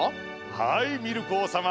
はいミルク王さま。